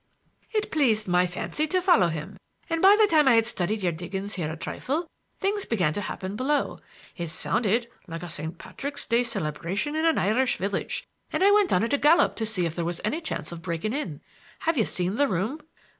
"It pleased my fancy to follow him; and by the time I had studied your diggings here a trifle, things began to happen below. It sounded like a St. Patrick's Day celebration in an Irish village, and I went down at a gallop to see if there was any chance of breaking in. Have you seen the room?